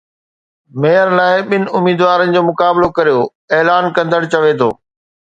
mayor لاءِ ٻن اميدوارن جو مقابلو ڪريو اعلان ڪندڙ چوي ٿو